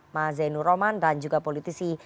mazenu roman dan juga politisi